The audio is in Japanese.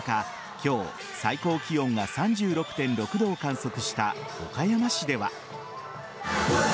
今日、最高気温が３６．６度を観測した岡山市では。